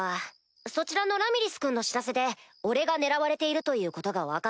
そちらのラミリス君の知らせで俺が狙われているということが分かった。